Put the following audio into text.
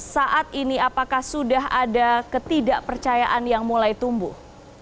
saat ini apakah sudah ada ketidakpercayaan yang mulai tumbuh